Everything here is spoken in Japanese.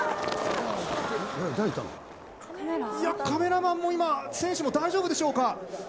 カメラマンも今、選手も大丈夫でしょうか。